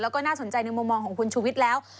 แล้วก็น่าสนใจในมุมมองของคุณชูวิทย์แล้ว